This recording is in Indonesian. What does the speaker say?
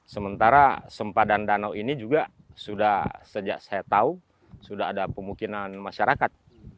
sementara sempadan danau ini juga sudah sejak saya tahu sudah ada pemukiman masyarakat